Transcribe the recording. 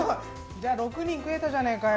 じゃあ６人食えたじゃねえかよ。